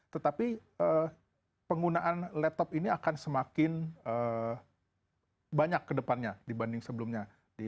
tetapi penggunaan laptop ini akan semakin banyak ke depannya dibanding sebelumnya